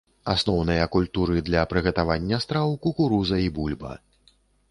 Асноўныя культуры для прыгатавання страў кукуруза і бульба.